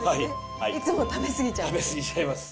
いつも食べ過ぎちゃうんで。